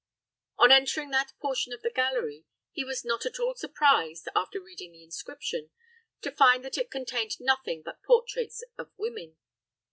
On entering that portion of the gallery, he was not at all surprised, after reading the inscription, to find that it contained nothing but portraits of women.